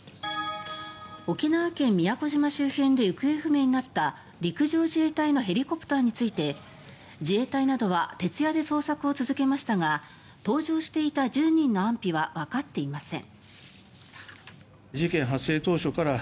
沖縄県・宮古島周辺で行方不明になった陸上自衛隊のヘリコプターについて自衛隊などは徹夜で捜索を続けましたが搭乗していた１０人の安否はわかっていません。